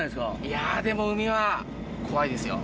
いやでも海は怖いですよ。